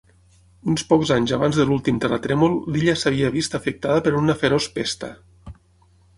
Uns pocs anys abans de l'últim terratrèmol l'illa s'havia vist afectada per una feroç pesta.